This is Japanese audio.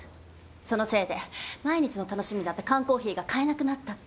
そのせいで毎日の楽しみだった缶コーヒーが買えなくなったって。